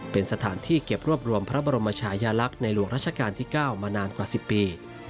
เป็นสถานที่เก็บรวบรวมพระบรมชายาลักษณ์ในหลวงราชการที่๙มานานกว่า๑๐ปี